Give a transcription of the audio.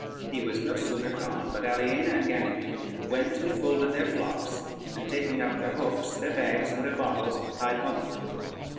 He was no sooner gone, but Aliena and Ganymede went and folded their flocks, and taking up their hooks, their bags, and their bottles, hied homeward.